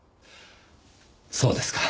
そうですか。